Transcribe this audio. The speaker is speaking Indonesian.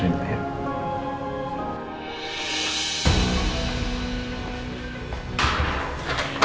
jangan terlalu sedih ya